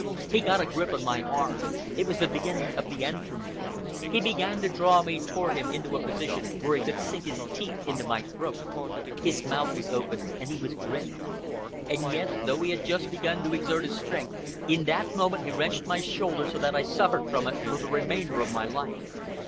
He got a grip on my arm. It was the beginning of the end for me. He began to draw me toward him into a position where he could sink his teeth into my throat. His mouth was open, and he was grinning. And yet, though he had just begun to exert his strength, in that moment he wrenched my shoulder so that I suffered from it for the remainder of my life.